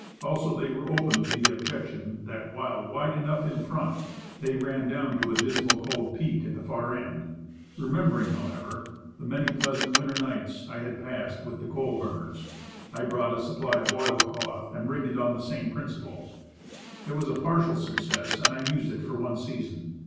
Also, they were open to the objection, that while wide enough in front, they ran down to a dismal, cold peak at the far end. Remembering, however, the many pleasant winter nights I had passed with the coal burners, I bought a supply of oil cloth and rigged it on the same Diagram of Shanty Tent. 37 principle. It was a partial success, and I used it for one season.